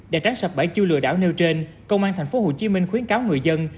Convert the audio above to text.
để tránh sập bẫy chiêu lừa đảo nêu trên công an tp hcm khuyến cáo người dân